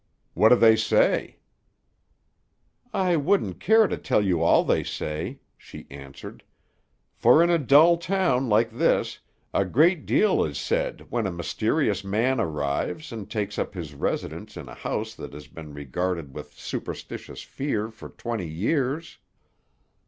"What do they say?" "I wouldn't care to tell you all they say," she answered; "for in a dull town, like this, a great deal is said when a mysterious man arrives, and takes up his residence in a house that has been regarded with superstitious fear for twenty years."